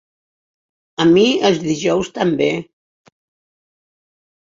A mi els dijous també...